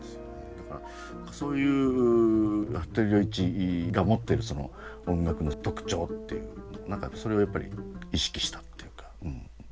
だからそういう服部良一が持ってるその音楽の特徴っていう何かそれをやっぱり意識したっていうか。